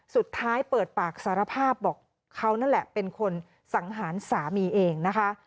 สุดท้ายเปิดปากสารภาพบอกเขานั่นแหละเป็นคนสังหารสามีเองนะคะ